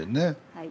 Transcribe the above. はい。